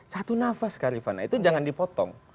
satu nafas karivana itu jangan dipotong